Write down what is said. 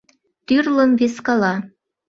Тӱрлым вискала.